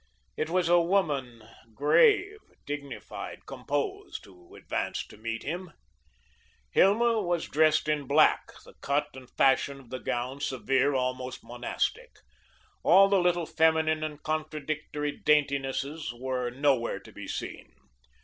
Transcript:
It was a woman, grave, dignified, composed, who advanced to meet him. Hilma was dressed in black, the cut and fashion of the gown severe, almost monastic. All the little feminine and contradictory daintinesses were nowhere to be seen.